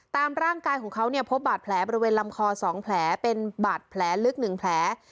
ตามร่างกายของเขาเนี่ยพบบาดแผลบริเวณลำคอ๒แผลเป็นบาดแผลลึก๑แผล